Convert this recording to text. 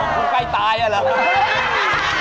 อ๋อคุณใกล้ตายน่ะหรือครับ